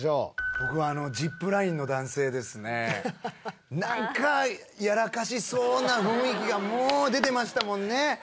僕はジップラインの男性ですね何かやらかしそうな雰囲気がもう出てましたもんね